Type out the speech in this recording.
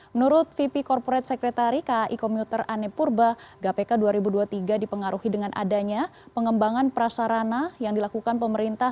menurut vp corporate secretary kai komuter ane purba gpk dua ribu dua puluh tiga dipengaruhi dengan adanya pengembangan prasarana yang dilakukan pemerintah